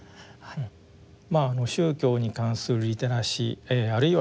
宗教に関するリテラシーあるいはですね